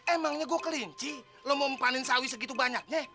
emangnya gua kelinci lo mau mempanin sawi segitu banyaknya